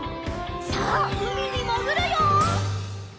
さあうみにもぐるよ！